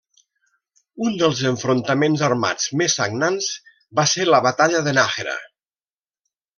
Un dels enfrontaments armats més sagnants va ser la Batalla de Nájera.